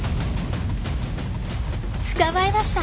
捕まえました。